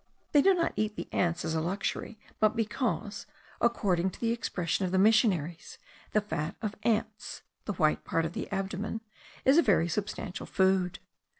They do not eat the ants as a luxury, but because, according to the expression of the missionaries, the fat of ants (the white part of the abdomen) is a very substantial food.